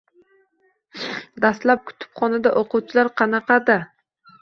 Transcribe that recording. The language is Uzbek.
Dastlab kutubxonada o‘quvchilar qanaqa?